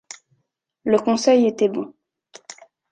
Le conseil était bon.